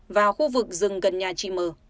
và khu vực rừng gần nhà chị m